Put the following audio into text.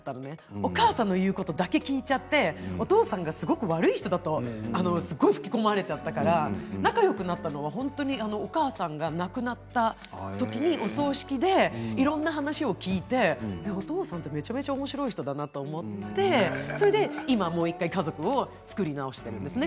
お母さんの言うことだけ聞いちゃってお父さんがすごい悪い人だと吹き込まれちゃったから仲よくなったのは本当にお母さんが亡くなった時にお葬式で、いろんな話を聞いてお父さんって、めちゃめちゃおもしろい人だなと思って今もう１回、家族を作り直しているんですね